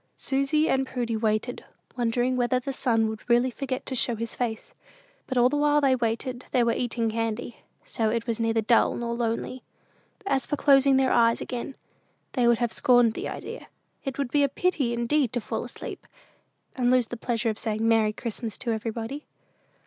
Susy and Prudy waited, wondering whether the sun would really forget to show his face; but all the while they waited they were eating candy; so it was neither dull nor lonely. As for closing their eyes again, they would have scorned the idea. It would be a pity indeed to fall asleep, and lose the pleasure of saying "Merry Christmas" to everybody.